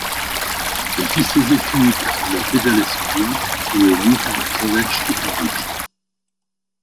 Elle fit ses études à la Bedales School et au Newnham College de Cambridge.